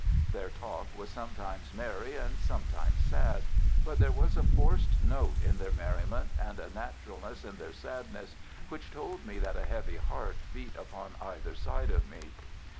Their talk was sometimes merry and sometimes sad, but there was a forced note in their merriment and a naturalness in their sadness which told me that a heavy heart beat upon either side of me.